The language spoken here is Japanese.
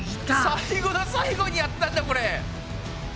最後の最後にやってたんだこれ！